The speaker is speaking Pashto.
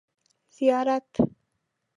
زیارت